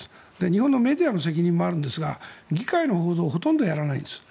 日本のメディアの責任もあるんですが議会の報道をほとんどやらないんです。